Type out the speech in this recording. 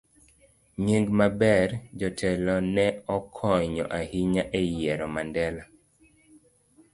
Nying maber. Jotelo ne okonyo ahinya e yiero Mandela